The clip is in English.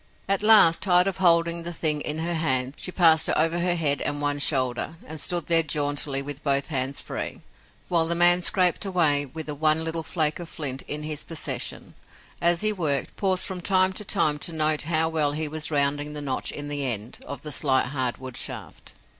At last, tired of holding the thing in her hands, she passed it over her head and one shoulder and stood there jauntily, with both hands free, while the man scraped away with the one little flake of flint in his possession, and, as he worked, paused from time to time note how well he was rounding the notch in the end of the slight hardwood shaft.